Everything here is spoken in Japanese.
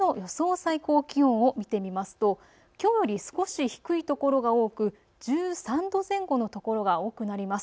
最高気温を見てみますと、きょうより少し低い所が多く１３度前後の所が多くなります。